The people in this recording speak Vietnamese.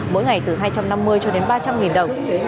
mỗi ngày từ hai trăm năm mươi cho đến ba trăm linh đồng